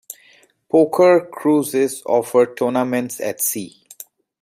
Poker cruises offer tournaments at sea.